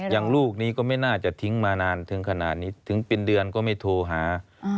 อย่างลูกนี้ก็ไม่น่าจะทิ้งมานานถึงขนาดนี้ถึงเป็นเดือนก็ไม่โทรหา